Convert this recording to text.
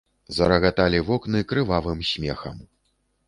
Зарагаталі вокны крывавым смехам.